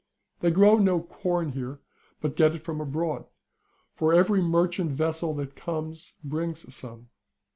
They grow no corn here, but get it from abroad ; for every merchant vessel that comes brings some.